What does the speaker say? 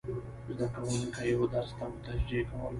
زده کوونکي و درس ته متوجه کول،